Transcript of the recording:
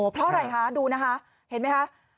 เพราะอะไรคะดูนะคะเห็นไหมคะ